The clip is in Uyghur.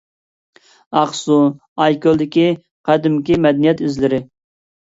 ئاقسۇ ئايكۆلدىكى قەدىمكى مەدەنىيەت ئىزلىرى.